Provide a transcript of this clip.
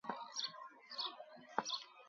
هرهڪ سآݩ مهبت ڪرو۔